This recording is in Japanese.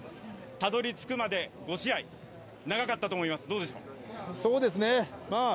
たどり着くまで５試合、長かったと思います。